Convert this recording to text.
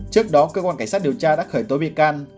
trước đó cơ quan cảnh sát điều tra đã khởi tố bị can